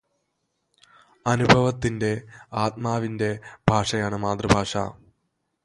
അനുഭവത്തിന്റെ, ആത്മാവിന്റെ ഭാഷയാണ് മാതൃഭാഷ.